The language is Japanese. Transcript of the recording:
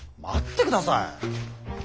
待ってください！